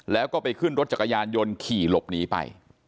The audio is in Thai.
แล้วก็ไปขึ้นรถจักรยานยนต์ขี่หลบหนีไป